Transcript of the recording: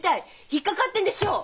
引っ掛がってんでしょう！